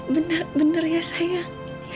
benar benar ya sayang